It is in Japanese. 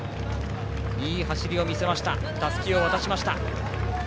いい走りを見せてたすきを渡しました。